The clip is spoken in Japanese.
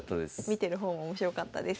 見てる方も面白かったです。